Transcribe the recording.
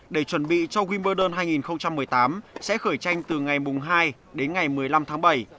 để chuẩn bị cho winburdern hai nghìn một mươi tám sẽ khởi tranh từ ngày hai đến ngày một mươi năm tháng bảy